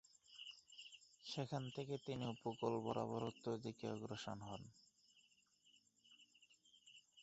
সেখান থেকে তিনি উপকূল বরাবর উত্তর দিকে অগ্রসর হন।